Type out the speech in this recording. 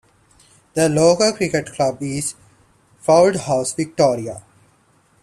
The local cricket club is Fauldhouse Victoria.